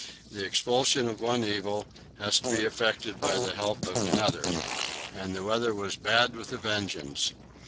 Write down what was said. The expulsion of one evil has to be effected by the help of another; and the weather was bad with a vengeance.